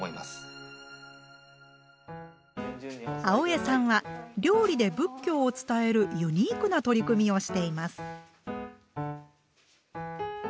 青江さんは料理で仏教を伝えるユニークな取り組みをしています。